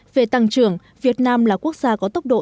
về tăng trưởng việt nam là quốc gia có tốc độ